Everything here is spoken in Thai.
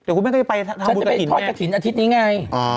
เดี๋ยวคุณแม่ก็จะไปท้อบุตรกระถินแม่ฉันจะไปท้อดกระถินอาทิตย์นี้ไง